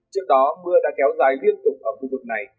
trước đó mưa đã kéo dài liên tục ở khu vực này